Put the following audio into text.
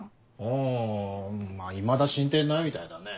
あいまだ進展ないみたいだね。